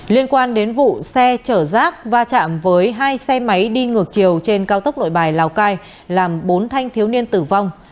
liên quan đến vụ xe chở rác va chạm với hai xe máy đi ngược chiều trên cao tốc nội bài lào cai làm bốn thanh thiếu niên tử vong